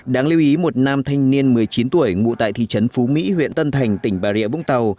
đáng lưu ý một nam thanh niên một mươi chín tuổi ngụ tại thị trấn phú mỹ huyện tân thành tỉnh bà rịa vũng tàu